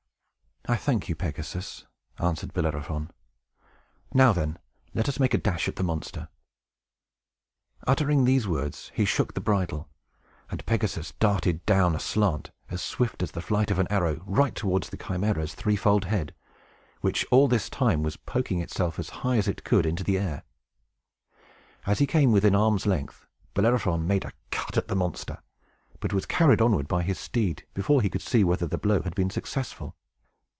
"I thank you, Pegasus," answered Bellerophon. "Now, then, let us make a dash at the monster!" Uttering these words, he shook the bridle; and Pegasus darted down aslant, as swift as the flight of an arrow, right towards the Chimæra's three fold head, which, all this time, was poking itself as high as it could into the air. As he came within arm's length, Bellerophon made a cut at the monster, but was carried onward by his steed, before he could see whether the blow had been successful.